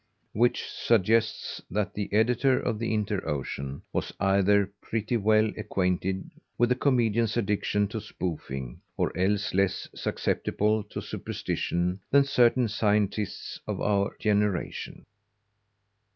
Which suggests that the editor of the Inter Ocean was either pretty well acquainted with the comedian's addiction to spoofing, or else less susceptible to superstition than certain scientists of our generation.